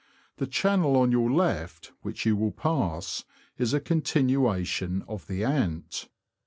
The channel on your left, which you will pass, is a con tinuation of the Ant.